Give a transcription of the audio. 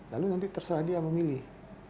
lalu nanti terserah dia memilih